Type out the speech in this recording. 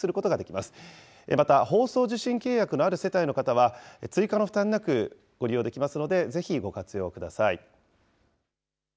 また、放送受信契約のある世帯の方は、追加の負担なくご利用できますので、ぜひご活用ください。